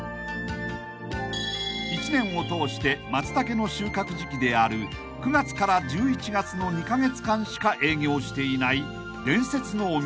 ［一年を通して松茸の収穫時期である９月から１１月の２カ月間しか営業しいていない伝説のお店へ］